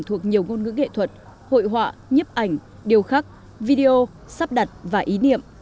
thuộc nhiều ngôn ngữ nghệ thuật hội họa nhếp ảnh điều khắc video sắp đặt và ý niệm